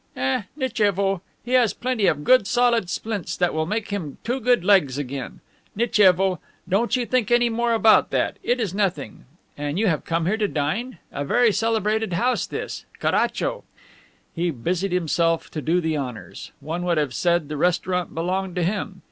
"Eh! Nitchevo! He has plenty of good solid splints that will make him two good legs again. Nitchevo! Don't you think anything more about that! It is nothing. You have come here to dine? A very celebrated house this. Caracho!" He busied himself to do the honors. One would have said the restaurant belonged to him.